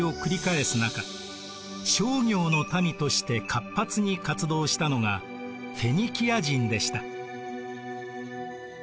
商業の民として活発に活動したのがフェニキア人でした。